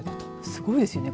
すごいですよね。